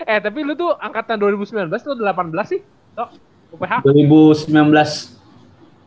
eh tapi lu tuh angkatan dua ribu sembilan belas itu delapan belas sih